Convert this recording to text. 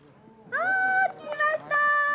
ああ、つきました。